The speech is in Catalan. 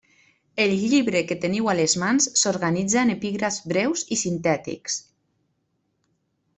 El llibre que teniu a les mans s'organitza en epígrafs breus i sintètics.